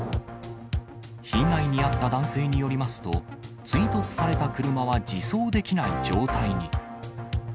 被害に遭った男性によりますと、追突された車は自走できない状態に。